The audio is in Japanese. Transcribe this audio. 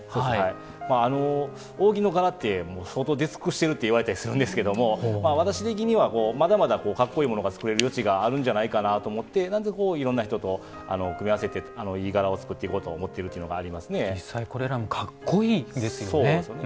扇の柄って相当出尽くしてるっていわれてたりするんですが私的にはまだまだかっこいいものを作れる余地があるんじゃないかと思っていろんな人と組み合わせていい柄を作っていこうと思っているというのがありますね。